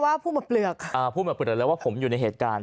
นั่นผู้หมาเปลือกภูมิคาพูกเลยว่าผมอยู่ในเหตุการณ์